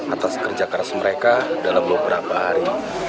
atas kerja keras mereka dalam beberapa hari